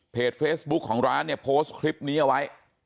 เฟซบุ๊กของร้านเนี่ยโพสต์คลิปนี้เอาไว้